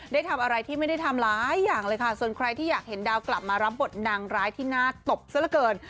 ได้ทำอะไรที่ไม่ได้ทำหลายอย่างเลยค่ะส่วนใครที่อยากเห็นดาวกลับมารับบทนางร้ายที่น่าตบซะละเกิน